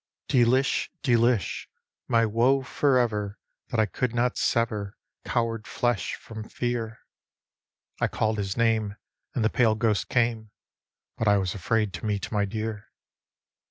DeeUshl Deelish! my woe forever that I could not sever coward flesh from fear. I called his name and the pale ghost came; but I was afraid to meet my dear.